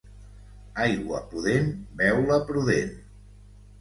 Aigua pudent, beu-la prudent.